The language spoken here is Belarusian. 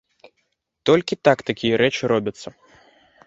Толькі так такія рэчы робяцца.